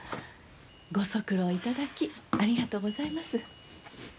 ご足労いただきありがとうございます。